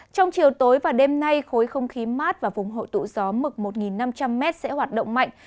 trong chiều tối và đêm nay khối không khí mát và vùng hội tụ gió mực một năm trăm linh m sẽ hoạt động mạnh